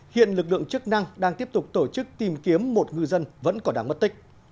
hiện lực lượng chức năng đang tiếp tục tổ chức tìm kiếm một ngư dân vẫn có đáng mất tích